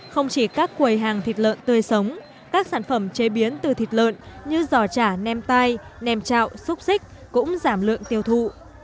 không chỉ các quầy hàng thịt lợn tươi sống các sản phẩm chế biến từ thịt lợn như giò chả nem tai nem chạo xúc xích cũng giảm lượng tiêu thụ